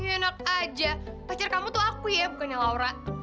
enak aja pacar kamu tuh aku ya bukannya laura